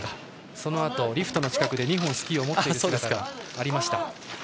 そのあとリフトの近くで２本スキーを持つ姿がありました。